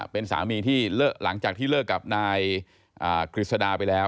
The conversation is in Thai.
เป็นสามีที่หลังจากที่เลิกกับนายกฤษดาไปแล้ว